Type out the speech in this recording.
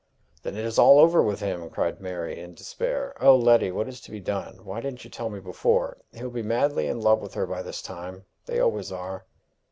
"Then it is all over with him!" cried Mary, in despair. "O Letty! what is to be done? Why didn't you tell me before? He'll be madly in love with her by this time! They always are."